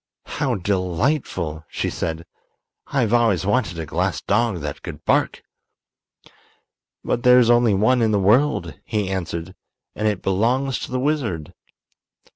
"How delightful!" she said. "I've always wanted a glass dog that could bark." "But there is only one in the world," he answered, "and it belongs to the wizard."